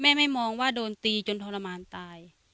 แม่ไม่มองว่าโดนตีจนทรมานตาย